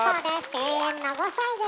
永遠の５さいです。